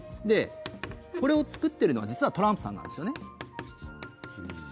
これを作っているのは実はトランプさんなんですね。